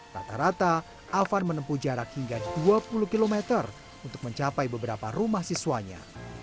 rata rata afan menempuh jarak hingga dua puluh km untuk mencapai beberapa rumah siswanya